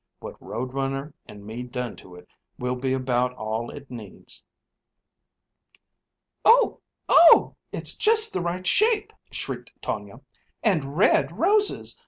"What Road Runner and me done to it will be about all it needs." "Oh, oh! it's just the right shape," shrieked Tonia. "And red roses!